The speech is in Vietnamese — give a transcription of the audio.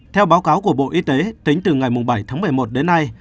theo báo cáo của bộ y tế tính từ ngày bảy tháng một mươi một đến nay